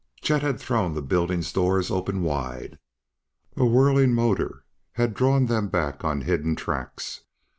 Chet had thrown the building's doors open wide; a whirling motor had drawn them back on hidden tracks.